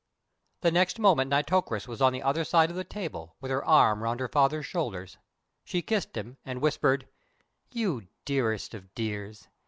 The next moment Nitocris was on the other side of the table, with her arm round her father's shoulders. She kissed him, and whispered: "You dearest of dears!